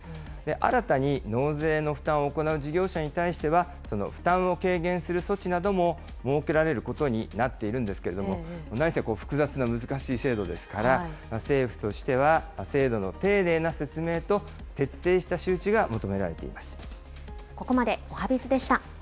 新たに納税の負担を行う事業者に対しては、その負担を軽減する措置なども設けられることになっているんですけれども、なにせ、複雑な難しい制度ですから、政府としては、制度の丁寧な説明と徹底した周知が求められています。